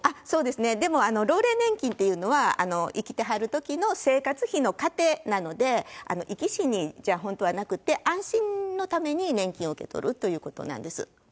そうですね、でも、老齢年金というのは、生きてはるときの生活費の糧なので、生き死にじゃ本当はなくて、安心のために年金を受け取るということなんです。